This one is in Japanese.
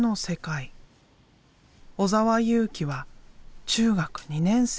尾澤佑貴は中学２年生。